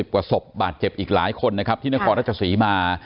กว่าศพบาดเจ็บอีกหลายคนนะครับที่นครราชศรีมา